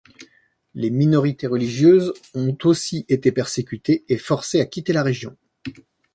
Les minorités religieuses ont aussi été persécutées, et forcées à quitter la région.